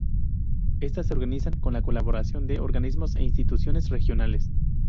Estas se organizan con la colaboración de organismos e instituciones regionales.